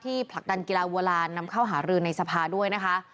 ผลักดันกีฬาวัวลานนำเข้าหารือในสภาด้วยนะคะ